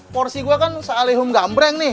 porsi gue kan sealihum gambreng nih